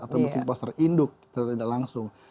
atau mungkin pasar induk secara tidak langsung